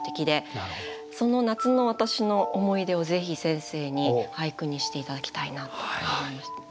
その夏の私の思い出をぜひ先生に俳句にして頂きたいなと思いました。